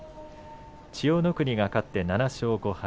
千代の国が勝って７勝５敗。